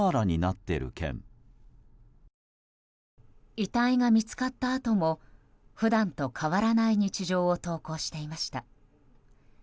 遺体が見つかったあとも普段と変わらない日常を投稿していました。